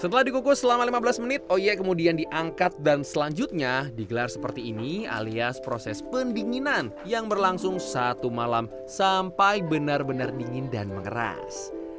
setelah dikukus selama lima belas menit oye kemudian diangkat dan selanjutnya digelar seperti ini alias proses pendinginan yang berlangsung satu malam sampai benar benar dingin dan mengeras